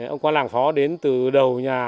ông quan làng phó đến từ đầu nhà